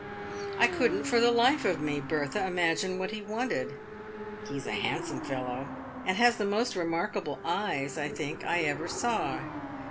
" I couldn't for the life of me, Bertha, imagine what he wanted. He's a handsome fellow, and has the most remarkable eyes, I think, I ever saw.